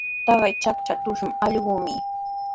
Taqay chacha trusku allquyuqmi.